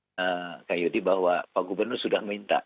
saya sampaikan kak yudi bahwa pak gubernur sudah minta